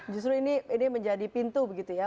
justru ini menjadi pintu begitu ya